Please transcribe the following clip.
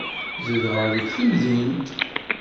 Zedɣeɣ deg temdint.